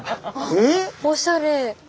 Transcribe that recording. ⁉あっおしゃれ。